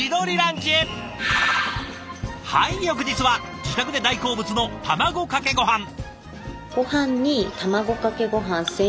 翌日は自宅で大好物の卵かけごはん。